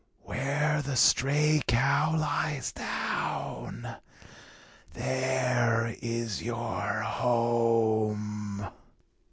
"Where the stray cow lies down, there is your home."